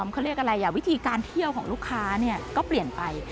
เขาเรียกอะไรวิธีการเที่ยวของลูกค้าก็เปลี่ยนไป